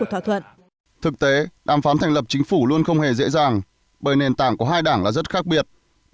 thực tế đàm phán thành lập chính phủ luôn không hề dễ dàng bởi nền tảng của hai đảng là rất khác biệt